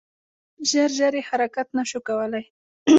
ژر ژر یې حرکت نه شو کولای .